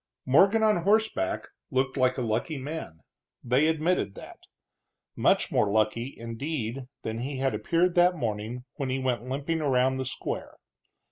Morgan, on horseback, looked like a lucky man; they admitted that. Much more lucky, indeed, than he had appeared that morning when he went limping around the square.